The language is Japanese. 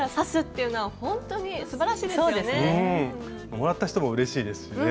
もらった人もうれしいですしね。